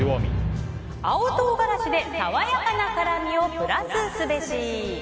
青唐辛子でさわやかな辛味をプラスすべし。